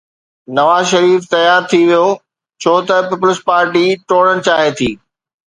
نواز شريف تيار ٿي ويو ڇو ته پيپلزپارٽي ٽوڙڻ چاهي ٿي.